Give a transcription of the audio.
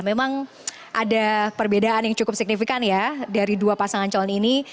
memang ada perbedaan yang cukup signifikan ya dari dua pasangan calon ini